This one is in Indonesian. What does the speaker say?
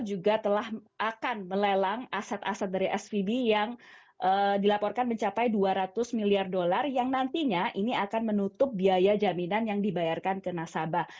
juga telah akan melelang aset aset dari svb yang dilaporkan mencapai dua ratus miliar dolar yang nantinya ini akan menutup biaya jaminan yang dibayarkan ke nasabah